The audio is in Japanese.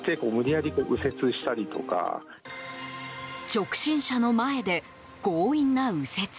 直進車の前で強引な右折。